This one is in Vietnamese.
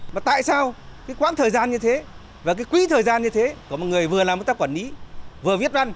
mà tại sao cái khoảng thời gian như thế và cái quý thời gian như thế của một người vừa làm tác quản lý vừa viết văn